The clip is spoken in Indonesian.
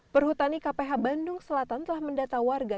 perhutani kph bandung selatan telah mendata warga